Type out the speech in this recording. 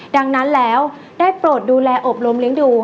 ดังนั้นแล้วได้โปรดดูแลอบรมเลี้ยงดู